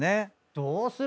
どうする？